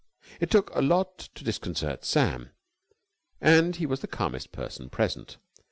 It took a lot to disconcert Sam, and he was the calmest person present.